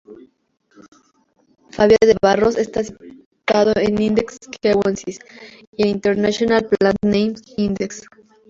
Fábio de Barros está citado en Index Kewensis y en International Plant Names Index.